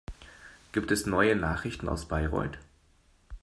Gibt es neue Nachrichten aus Bayreuth?